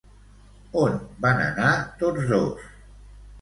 On van anar tots dos?